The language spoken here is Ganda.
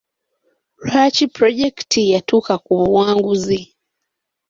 Lwaki pulojekiti yatuuka ku buwanguzi?